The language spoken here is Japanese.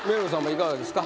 いかがですか？